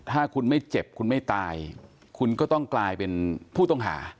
ถ้าคุณไม่เจ็บคุณไม่ตายคุณก็ต้องกลายเป็นผู้ต้องหา